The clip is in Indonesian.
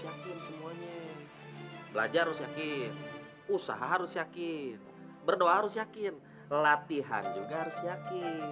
yakin semuanya belajar usah harus yakin berdoa harus yakin latihan juga harus yakin